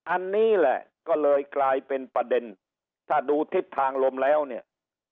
อันนี้แหละก็เลยกลายเป็นประเด็นถ้าดูทิศทางลมแล้วเนี่ย